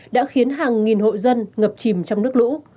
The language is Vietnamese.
đã khiến hàng nghìn hội dân ngập chìm trong nước lũ